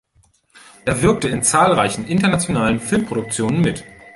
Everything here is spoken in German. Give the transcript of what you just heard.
Er wirkte in zahlreichen internationalen Filmproduktionen mit.